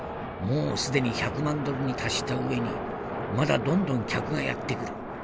もう既に１００万ドルに達した上にまだどんどん客がやって来る。